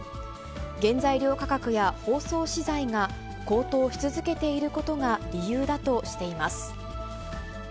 原材料価格や包装資材が高騰し続けていることが理由だとしています。